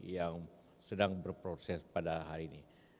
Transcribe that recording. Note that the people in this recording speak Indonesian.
yang sedang berproses pada hari ini